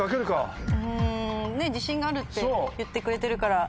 自信があるって言ってくれてるから。